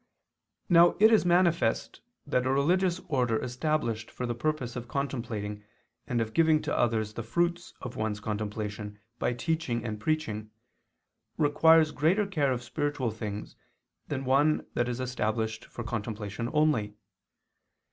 Now it is manifest that a religious order established for the purpose of contemplating and of giving to others the fruits of one's contemplation by teaching and preaching, requires greater care of spiritual things than one that is established for contemplation only.